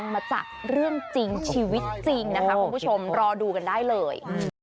เขาไม่เล่าละเอียดถึงคุณผู้หญิงคนนี้